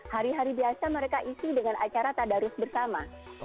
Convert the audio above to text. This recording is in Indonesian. hari hari biasa mereka isi dengan acara tadarus bersama